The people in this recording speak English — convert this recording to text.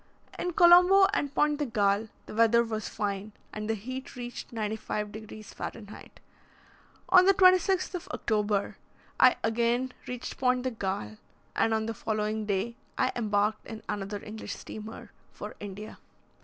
In Colombo and Pointe de Galle, the weather was fine, and the heat reached 95 degrees Fah. On the 26th of October I again reached Pointe de Galle, and on the following day I embarked in another English steamer for India.